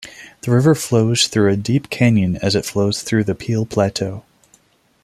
The river flows through a deep canyon as it flows through the Peel Plateau.